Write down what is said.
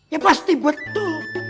ya pasti betul